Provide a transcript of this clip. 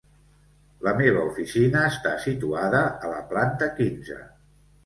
La meva oficina està situada a la planta quinze.